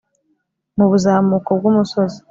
mu buzamuko bw’umusozi,